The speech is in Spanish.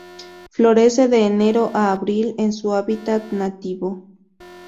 Florece de enero a abril en su hábitat nativo.